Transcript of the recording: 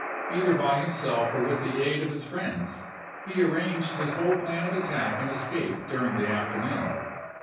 Either by himself or with the aid of his friends he arranged his whole plan of attack and escape dur ing the afternoon.